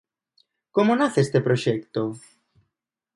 Como nace este proxecto?